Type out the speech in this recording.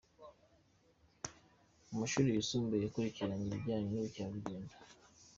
Mu mashuri yisumbuye yakurikiranye ibijyanye n’ubukerarugendo.